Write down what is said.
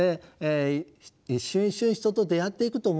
一瞬一瞬人と出会っていくと思います。